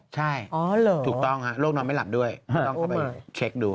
ใช่ถูกต้องฮะโรคนอนไม่หลับด้วยต้องเข้าไปเช็คดู